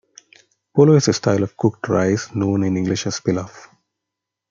Polo is a style of cooked rice, known in English as pilaf.